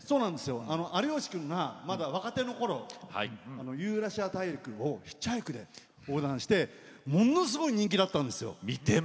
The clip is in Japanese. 有吉君が若手のときにユーラシア大陸をヒッチハイクで横断してものすごい人気だったんですよ。